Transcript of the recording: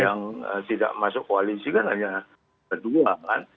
yang tidak masuk koalisi kan hanya kedua kan